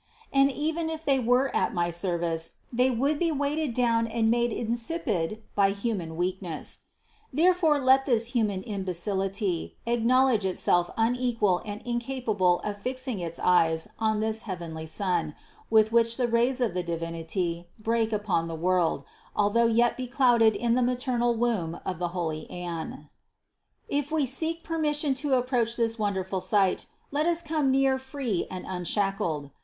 And even if they were at my service, they would be weighed down and made insipid by human weakness. Let therefore this human imbecility acknowledge itself unequal and incapable of fixing its eyes on this heavenly sun, with which the rays of the Divinity break upon the world, although yet be clouded in the maternal womb of holy Anne. If we seek permission to approach this wonderful sight, let us come near free and unshackled.